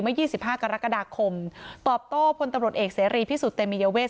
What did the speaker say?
๒๕กรกฎาคมตอบโต้พลตำรวจเอกเสรีพิสุทธิเตมียเวท